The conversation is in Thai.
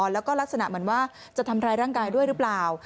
แล้วก็ลักษณะเหมือนว่าจะทำร้ายร่างกายด้วยหรือเปล่า